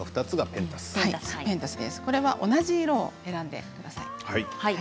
ペンタスは同じ色を選んでください。